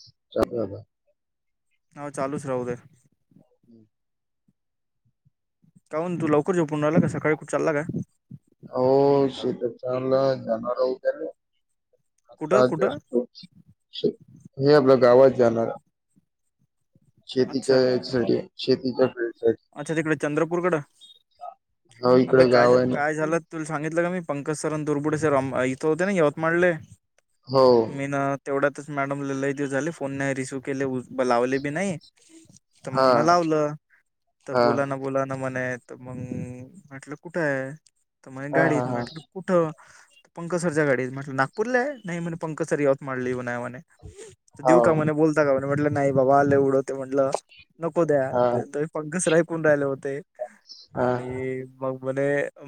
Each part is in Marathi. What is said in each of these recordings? चचा बाबा. [unintelligible] हाव चालूच राहूं दया. [inaudible] काहूंण तू लवकर जोपून राला सकाळी कुठ चालला का. हो स तर लं जाणार रऊ त्याले. [unintelligible] कुठं कुठं मी आपल गावात जाणार. शेतीच्या अच्छा यासाठी शेतीच्या साठी अच्छा तिकड चंद्रपूर कडं हो अबे इकडं काय गाव आहे ना काय झालत तुल सांगितलं का मी पंकज सर आणि दुरबुडे सर इथं होते ना यवतमाळले. हो मी ना तेवढ्यातच मॅडम ले लई दिवस झाले फोन नाही रिसीव केले. ब लावले बी नाही त हा मंग म लावलं. तर हा बोलाना बोलाना म्हणे त मंग म्हटलं कुठ आहे त म्हणे हा हा गाडीत हा म्हटलं. कुठं? पंकसरच्या गाडीत म्हटल नागपूरला आहे नाही म्हणे पंकसर यवतमाळ ना म्हने. देऊ हाव का म्हणे बोलता का म्हणे म्हटलं नाही बाबा आले उडंत म्हटलं नको द्या हा पंक घसराय कोण राहिले होते हा आणि. मग मणे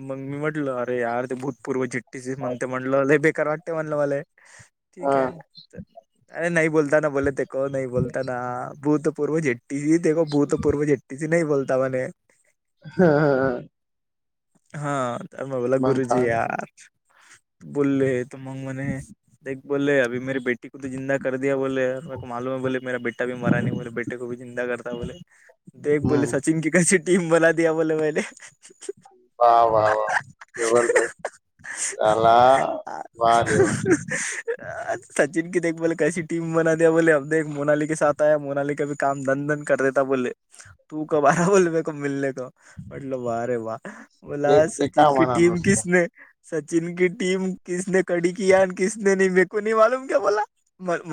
मग मी म्हटलं अरे यार ते भूतपूर्व चिट्टीसिस म्हणते म्हटलं लई बेकार वाट ते म्हलं मले हा ठीक हा. आहे अरे नाही बोलताना बोले ते. क नाही बोलता ना भूतपूर्व झेट्टी देखो भूतपूर्व झेट्टठीशी नाही बोलता म्हणे हा हा हा. हा त मला मग काय गुरुजी हम्म यात बोलले. त मगं मने. बोले अभ मे बेटी को त जिंद कर दया बोले म म मालूम बोले मेरा बेटाी मार नाही मे बेटी. [unintelligible] जिंदा करता बोले बोले सचिन क कशी टीम बोला द बोले मले. [unintelligible] वा वा वा जबरदस्त चला वा देवा. ह. [inaudible] अ सचिन क देख बोल कैस टीम बना द बोले अब दे मोनाली के सा आया मोोनाली का. [unintelligible] काम धन धन कर देता बोले तू कबारा बोल बक मिळले का. [unintelligible] म्हटल वारे वा बोला एक एका सचिन की मना टीम नुसतं हम्म. कीसने. सचिन क टीम कसने कडी क आणि कसने नाही मेको नाही मालूम क बोला. [unintelligible]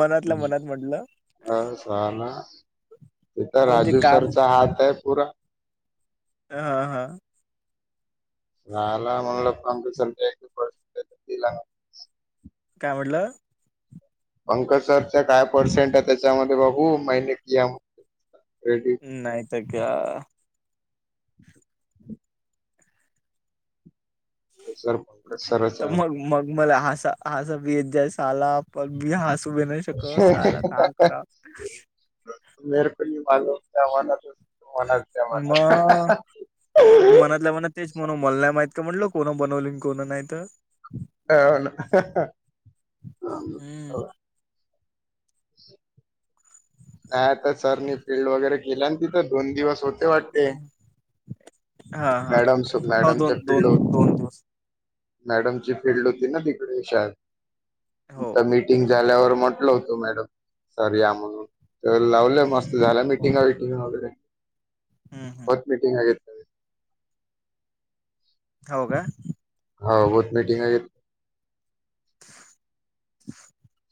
मनातल्या हम् मनात म्हटलं अ सहा ना तेता म्हणजे राजू. [unintelligible] काम सरचा हात आहे पुरा. हा हा. राह [unintelligible] ला म्हणल कपस तला. काय म्हटलं. पंकज सरचा काय पर्सेंट आहे त्याच्यामध्ये बघू महिने केड. नाही तर का. सर पंकज सरच त आहे मग मग मला हसा हस भी येत जाय साला पण मी हासु भी नाही शकत साला का करा मेहरपनी माल आवनात. [unintelligible] म्हणजे मग आार. मी [unintelligible] मनातल्या मनात तेच म्हणून मला नाय माहित का म्हनल कोण बनवली कोण नाही त. अन. [unintelligible] हम. ह. नाही आता सरनी फीलल्ड वगैरे केली आणि तिथं दोन दिवस हो. वाटते हा हा मॅडम हो मॅडमच्या दोन दोन फिडवर. दोन दिवस मॅडमची फीलल्ड होती ना तिकडे श हो मी. िंग झाल्यावर म्हटल होतं मॅडम सॉरी. तर लावलं हम्म मस्त झाला मिटिंग विटिंग वगैरे हम्म हम्म बघ मिटिंग आहे येत. हो काय? हा होच मीटिंग आहे. [unintelligible]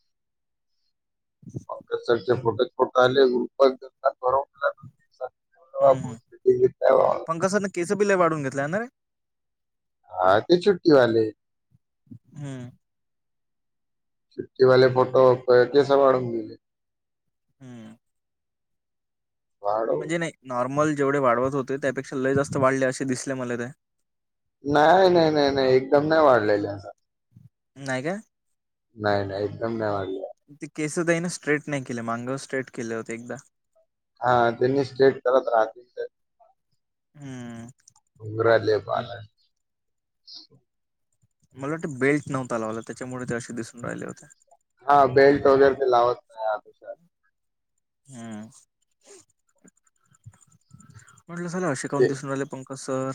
ह [inaudible] पकख फोटेच फोट आले गुपात बव. हम् पंकसात केच बिलय वाढवून घेतला आहे ना रे. हा ते छुट्टी वाले. हम्म. [inaudible] छुट्टी वाे फोटो केस आडून मले. हम्म. वा. म्हणजे नाही नॉर्मल जेवढे वाढवत होते त्यापेक्षा लय जास्त वाढले असे दिसले मला ते. नाही नाही नाही नाही एकदम नाही वाढलेले असं. नाही काय? नाही नाही एकदम नाही लाग. ते केसतही ना स्ट्रेट नाही केले मांगव स्ट्रेट केले होते एकदम. हा त्यांनी स्ट्रेट करत राहतील ते. हम्म. उंगरा ल पाला [inaudible] मला वाटतं बेल्ट नव्हता लावला त्याच्यामुळे ते असे दिसून राहिले होते. हा बेल्ट वगैरे ते लावत नाही आतुशात. हम्म म्हटलं झाला असे काऊून ते दिसून आले पं. तसं.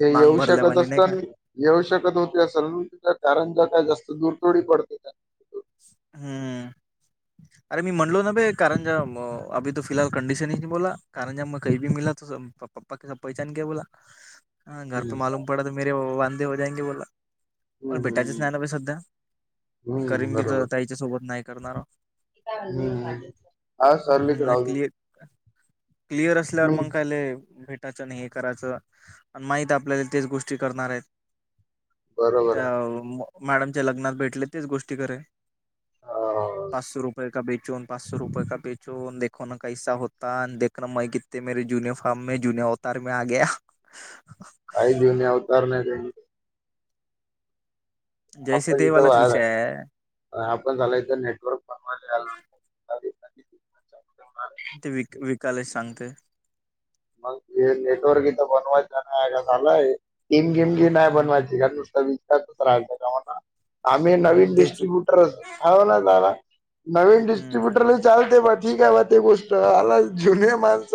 ते येऊ शकत असत. ही येवश्यकत न होती सरृतीच्या कारण ज्या काय जास्त दूरतोडी पडते त्या. हम्म. [inaudible] अरे मी म्हणलो ना भे कारण ज अभी फिलहल कंडिशनही नाही बोला कारण ज म काहीी म मिला त. पप्पा कस पैचणी घ्या बोला. हा घर त मालूम पडा तर मे वांदे हो जायगे बोला [inaudible] हम्म मला भेटाचेच हम्म ज्ञान सध्या हम्म करीम बी तरच्या सोबत नाही करणार. हम्म हा सर्लीच म्हणजे राह. क्लिअर क्लिअर असल्यावर मग काय भेट. त्याच आणि हे करायचं आणि माहित आपल्याला तेच गोष्टी करणार आहेत. बरोबर त्या आहे. मॅडमच्या लग्नात भेटले तेच गोष्टी खरे. अ पाच सो रुपये का बेचून. पाच सो रुपये का बेचो देखो ना कैसा होता देख ना म कि मे युनिफॉमे जुनत. तरार म आ ग. काही घेऊन अवतार नाही त्यां. जय श्री आपण इथं देवालाच बाहेर विषय आहे. आपण झालंय तर नेटवर्क. ले. [unintelligible] ते विक विकालाच सांगते. मग हे नेटवर्क इथं बनवायच नाही आहे का लंय. टीम गेम घेन आहे बनवायची काण नुसतता विचच राहायचा कामना. आम्ही नवीन तेच ना. डिस्ट्रीब्युटर हळव ना आला नवीन हम्म डिस्ट्रीब्युटरच. चालते बा ठीक आहे बा ते गोष्ट आला जुने माणस.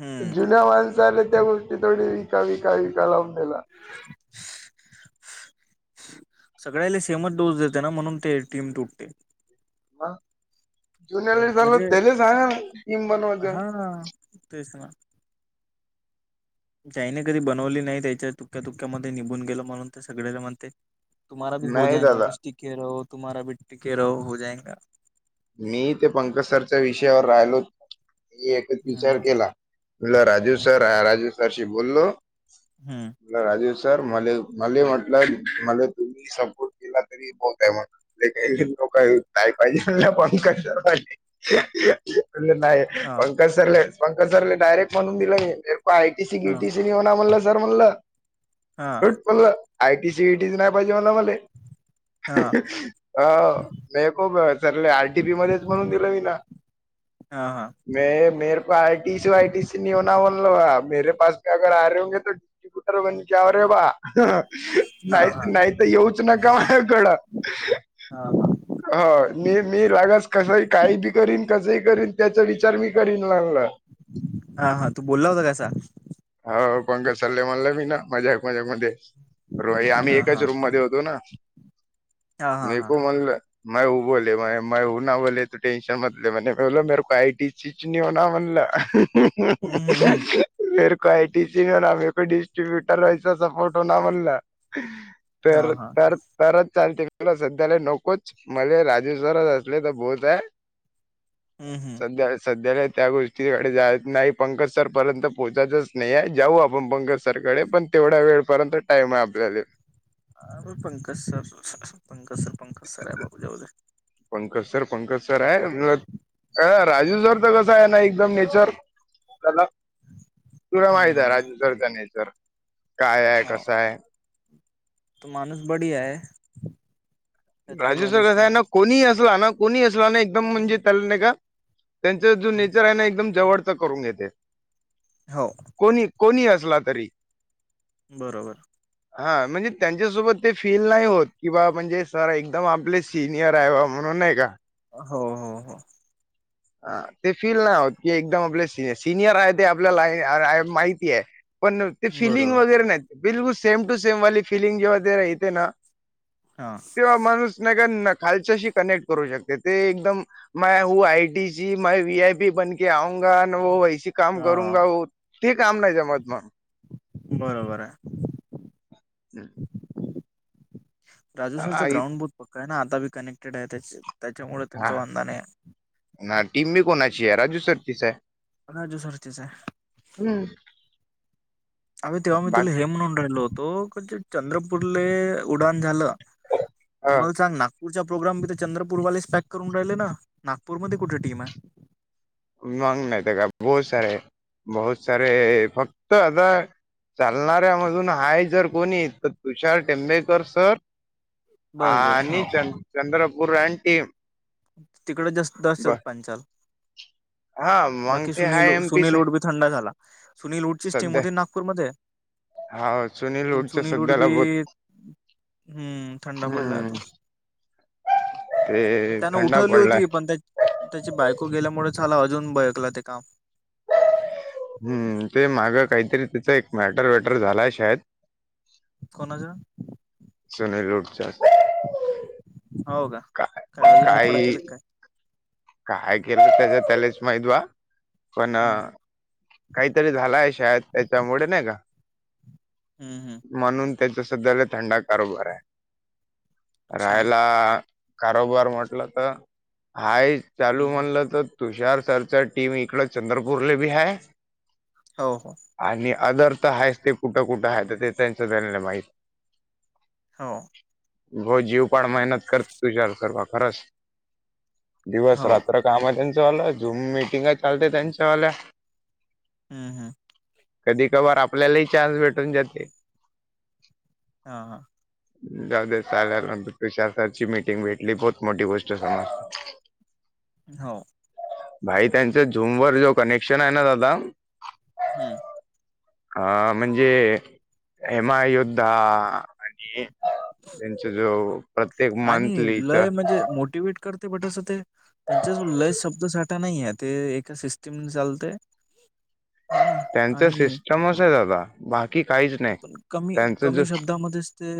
हम्म जुन्या माणसा आल्या त्या गोष्टी थोडी विका विका विका लावून दिला‌ [unintelligible] सगळ्याला सेमच डोस देते ना म्हणून ते टीम तुटते. म जुन्यारला झाल म्हणजे त्याला सांगा टिम हा बनवायच. तेच ना. जाईने कधी बनवली नाही त्याच्या तुक्या तुक्यामध्ये निघून गेलं म्हणून ते सगळ्याला म्हणते. तुम्हाारा भ हो नाही जायगा दादा पस टिके राो तुम्हाारा भ टिके राो हो जायगा. मी ते पंकज सरच्या विषयावर राहिलो म एकच विचार हम्म केला. तुला राजू सर ह राजू सरशी बोललो. हम्म. राजीव सर म मला म्हटलं मला तुम्ही सपोर्ट केला. तरी बहत आहे मग. मग काय हम्म नाही पाहिजे म्हण पंकज सरांनीण नाही हा पंकज. सर पंकज सरले डायरेक्ट म्हणून दिलं आयटीसी हा गीटीसी होणार म्हणलं सर म्हणलं. हा मला आयटी सीटीच नाही पाहिजे मला मले. हा ह म खूप चालले आरटीपी मध्येच म्हणून दिलं विना. हा हा. म मर प I T C Y T C होणार म्हनल मे पाास अगर आरे हगे. टर बन कवर रे बा. हा हा नाही हा नाही तर येऊच नका माझ्याकड हा हय. मी मी रागाास कसंही काही बी करीन कसंही करीन त्याचा विचार मी करीन लगला. हा हा तू बोलला होता कसा. हो पंकज सल्ले म्हणलं मी ना मजाक मजाक मध्ये. र आम्ही हा एकाच हा रूम मध्ये होतो ना. हा हा हा मीकू म्हणलं मय उ बोल. म ना बोले तू टशन मतले म्ह बोला मर को आय टी सिच हो ना म्हणला. ह ह हम्म हम्म हम्म ह. मेर को आय टी सी हो ना म िस्ट्रीब्यूटर व सपोर्ट हो ना म्हण ना. हा तर हा तर तरच चाांतिकला सध्याला नकोच मले रा. ते सरात असले तर बोत आहे. हम् हम. सध्या सध्याला त्या गोष्टीकडे जाच नाही पंकज सर पर्यंत पोहोचायचंच नाही आहे जाऊ आपण पंकज. सरकडे पण तेवढा वेळपर्यंत टाम आहे आपल्याला. ह Pankaj sir Pankaj sir Pankaj sir आहे बाबू जाऊ. पंकज सर पंकज सर आहे राजूव सर तर कस आहे ना एकदम नेचर. त्याला तुला माहित आहे हम्म राजू सर त्या नचर काय आहे हो कस आहे. तो माणूस बडी आहे. त्यात काही राजू सर वादच कस नाही आहे ना कोणी असला ना कोणी असला ना एकदम म्हणजे त्याल नाही का. त्यांच जो हम्म. नेचर आहे ना एकदम जवळच करून येते. हो. कोणी कोणी असला तरी. बरोबर. हा म्हणजे त्यांच्यासोबत ते फील नाही होत कि बा म्हणजे. सर एकदम आपले सिनियर आहे बा म्हणून नाही का. हो हो हो. ह ते फील नाही होत की एकदम आपले स सिनियर आहे ते आपल्याला माहिती आहे. पण ते फिलिंग बरोबर वगैरे नाही बिलकुल सेम टू सेमवाली फिलिंग जेव्हा येते ना. हा. तेव्हा माणूस नगर नक्. खालच्याशी कनेक्ट करू शकते ते एकदम हो आयटी ची म व आय पी बन. क आऊंगा व वैस काम हा करूगा ते काम नाही जमत ना. बरोबर आहे. हम. राजू सरची ग्राउंड बुत पक्क आहे ना आता बी कनेक्टेड आहे त्याच्यामुळे हा त्यांचं वांधा आहे. ना टीम मी कोणाची आहे राजू सरतीच आहे. राजू सरते स आहे. हम्म. अर तेव्हा मी तुला बाकी हे म्हणून राहिलो होतो क ज चंद्रपूरले उडान झालं. ह मग सांग ना. ूरचा प्रोग्राम मी तर चंद्रपूरवालेस पॅक करून राहिले नागपूर मध्ये कुठे टीम आहे. मग नाही ते का बहुत सारे बहुत बहुत सारे फक्त आता. चालणाऱ्यामधून आहे जर कोणी तर तुषार टेंबेकर सर. हा बस बस आणि हो च चंद्रपूर आणि टीम. तिकडे जास्त जास्त ब पंचाल. हा मग बाकी ते सुनील हाय सुनील एमपीच आहे उट बी थंडा झाला सुनील ऊटची स्टीम सध्या होती नागपूरमध्ये. हा सुनील उटच्या चुनी लूट सध्याला बी बहुत हम्म थंडा पडला हम्म आता. ते [inaudible] त्यान थंडा उठवली पडलाय होती पण त्या. त्याची बायको गेल्यामुळे झाला अजून बयकला ते काम‌. हम्म ते मागं काहीतरी तिचा एक मॅटर वेटर झालाय शायद. कोणाच्या. सुनील उठच्या. [unintelligible] हो का काय अजून लफड केलं काय. काय केलं त्याच्या त्यालाच माहित बा पण. हम्म काहीतरी झालाय शाळेत त्याच्यामुळे नाही का. हम् हम्. म्हणून त्याचा सध्याला थंडा कारोबार आहे. अच्छा राहायला कारोबार म्हटलं तर हाय चालू हम्म म्हणलं तर. तुषार सरच टीम इकडं चंद्रपूरल बी आहे. हो हो. आणि आदर् तर आहेच ते कुठं कुठं आहे तर ते त्यांच त्यांलं माहित. हो. बो जीव पाड मेहनत कर तू चल कर खरच दिवस हो रात्र. काम आहे त्यांचं वालं झूम मिटिंग चालते त्यांच्यावाल्या. हम् हम्. कधी कभार आपल्यालाही चान्स भेटून जाते. हा हा. जा. [unintelligible] तुषार सरची मीटिंग भेटली बहुत मोठी गोष्ट झाली. हो. भाई त्यांच्या झूम वर जो कनेक्शन आहे ना दादा. हम्म. अ म्हणजे एमायोद्धा. आणि त्यांचा जो प्रत्येक आणि मंथलीचा. लय म्हणजे मोटिवेट करते बटस अस ते त्यांच्या कड लय शब्द साठा नाही आहेत. ते एका सिस्टीम चालतय. त्यांच सिस्टमच आहे दादा बाकी काहीच. नाही पण कमी त्यांचं कमी जो शब्दामध्येच ते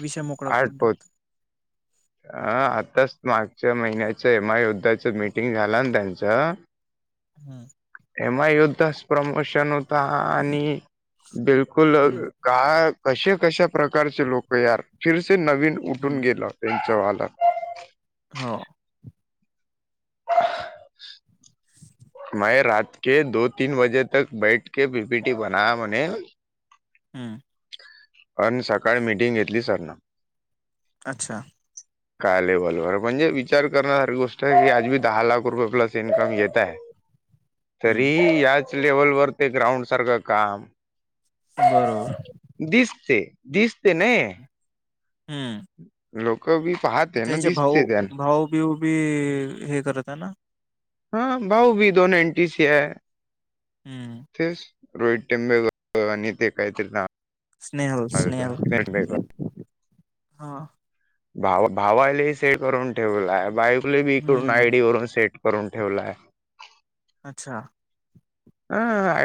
विषय मोकळा करून आर्ट टाकत. [inaudible] अ आताच मागच्या महिन्याच्या एमआय युद्धाच मीटिंग झालं ना त्यांचं. हम. एमा युद्धच प्रमोशन होता आणि बिलकुल. हम्म काय कशा कशा प्रकारचे लोक यार फिरसे नवीन. उठून हम्म गेला त्यांच्या वालात. हो. [inaudible] मै राात के दो-तीन बजे तक बैठ के पी पिटी बना म. हम्. आणि सकाळ मिटींग घेतली सरना. अच्छा. काय लेवलवर म्हणजे विचार करण्यासारखी गोष्ट आहे की आज मी दहा लाख रुपये प्लस इनकम घेत आहे. [inaudible] तरीही याच लेवलवरर ते ग्राउंड सारखं काम. बरोबर. दिसते दिसते नाही. हम्म. लोक बी पाहते ना दिसते त्याना. उभी उभी हे करत आहे ना. हा भाऊ भी दोनो एनटी सी आहे. हम्म. तेच रोहित टेंबेकर आणि ते काहीत ना. स्नेहल स्नेहल हा. [inaudible] भावा भावालाही सेट करून ठेवलाय बायकले बी करून हम्म आयडी वरून सेट. करून ठेवलं आहे. अच्छा. हा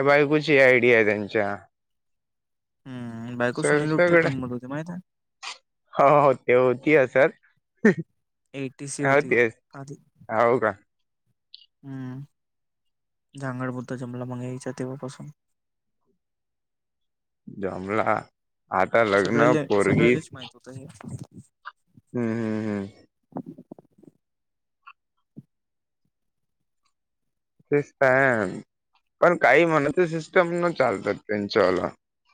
बायकूची ह आयडिया आहे त्यांच्या. हम् बायको सर सुनीलोटच्या सगळं टीम मध होती माहित आहे. हो हो ते होती अस सर. एटी सी हो होती तेच आधी हो का. हम्म झांगड बुद्ध जमला मग यायच तेव्हापासून. जमला आता लग्न पोरगीस. त [unintelligible] हम् हम. सिस्ट पण काही म्हणात सिस्टम न चालतात त्यांच्याला.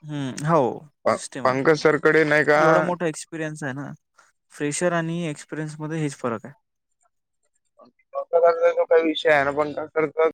हम्म हो सिस्टेम आहे सरकडे नाही का एवढा मोठा एक्सप. एक्सपिरियन्स आहे ना फ्रेशर आणि एक्सपिरियन्स मध्ये हेच फरक आहे. क जो काही विषय आहे ना पण त्यासारखं.